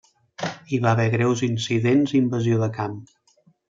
Hi va haver greus incidents i invasió de camp.